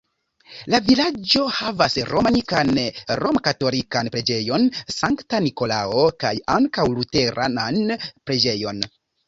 La vilaĝo havas romanikan romkatolikan preĝejon Sankta Nikolao kaj ankaŭ luteranan preĝejon.